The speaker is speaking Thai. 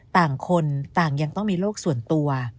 ต่างคนต่างยังต้องมีโรคส่วนตัว